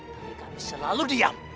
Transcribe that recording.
tapi kami selalu diam